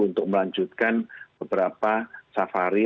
untuk melanjutkan beberapa safari